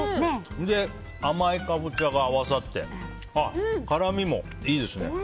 で、甘いカボチャが合わさって辛みもいいですね。